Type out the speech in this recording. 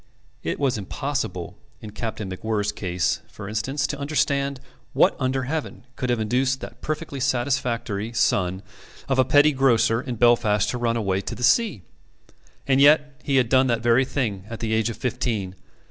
It was impossible in Captain MacWhirr's case, for instance, to understand what under heaven could have induced that perfectly satisfactory son of a petty grocer in Belfast to run away to sea. And yet he had done that very thing at the age of fifteen.